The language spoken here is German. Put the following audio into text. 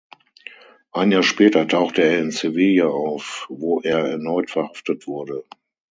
Ein Jahr später tauchte er in Sevilla auf, wo er erneut verhaftet wurde.